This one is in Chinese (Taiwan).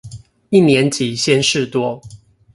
一年級鮮事多